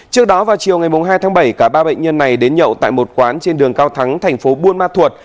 trước đó vào chiều ngày hai tháng bảy cả ba bệnh nhân này đến nhậu tại một quán trên đường cao thắng thành phố buôn ma thuột